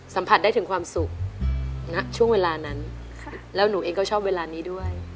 สัมผัสได้ถึงความสุขณช่วงเวลานั้นแล้วหนูเองก็ชอบเวลานี้ด้วย